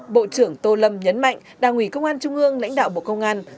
bộ trưởng tô lâm nhấn mạnh đảng ủy công an trung ương lãnh đạo bộ công an